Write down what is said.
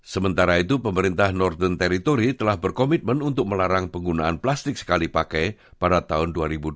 sementara itu pemerintah norton territory telah berkomitmen untuk melarang penggunaan plastik sekali pakai pada tahun dua ribu dua puluh